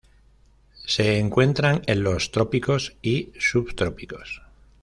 Se encuentran en los trópicos y subtrópicos.